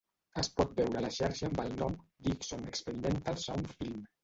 Es pot veure a la xarxa amb el nom "Dickson Experimental Sound Film".